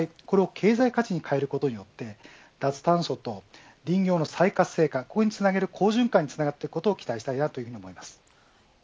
これを経済価値に変えることにより脱炭素と林業の再活性化につなげる好循環につながっていくことを期待したいです。